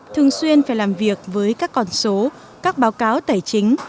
thường xuyên phải làm việc với các con số các báo cáo tài chính